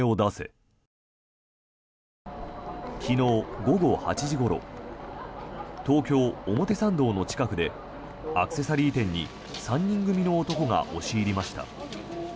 昨日午後８時ごろ東京・表参道の近くでアクセサリー店に３人組の男が押し入りました。